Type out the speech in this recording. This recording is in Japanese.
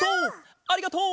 ありがとう！